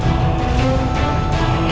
ini udah kecoh banget nih